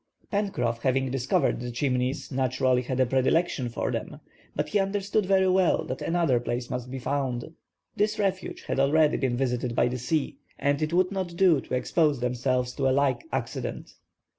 Pencroff having discovered the Chimneys, naturally had a predilection for them; but he understood very well that another place must be found. This refuge had already been visited by the sea, and it would not do to expose themselves to a like accident.